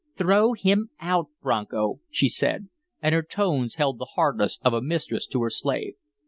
"Throw him out, Bronco," she said, and her tones held the hardness of a mistress to her slave.